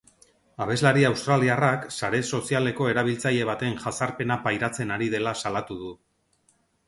Abeslari australiarrak sare sozialeko erabiltzaile baten jazarpena pairatzen ari dela salatu du.